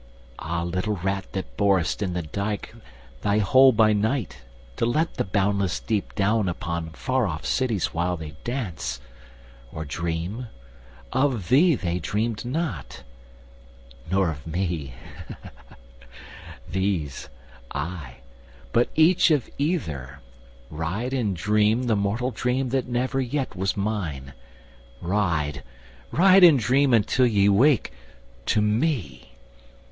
Ah little rat that borest in the dyke Thy hole by night to let the boundless deep Down upon far off cities while they dance— Or dream—of thee they dreamed not—nor of me These—ay, but each of either: ride, and dream The mortal dream that never yet was mine— Ride, ride and dream until ye wake—to me!